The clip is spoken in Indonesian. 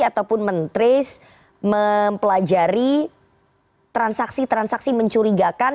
ataupun mentris mempelajari transaksi transaksi mencurigakan